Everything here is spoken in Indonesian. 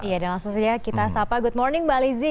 ya dalam sosial kita sapa good morning mbak lizzie